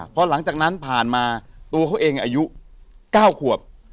พอหลังจากนั้นผ่านมาตัวเขาเองอายุ๙ขวบ